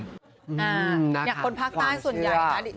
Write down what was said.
เนี่ยคนพักต้านส่วนใหญ่